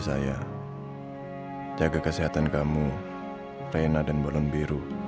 kalau bapak orang ya malah akan mati malam hari ini